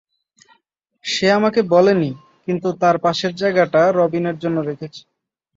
সে আমাকে বলেনি, কিন্তু তার পাশের জায়গাটা রবিনের জন্য রেখেছি।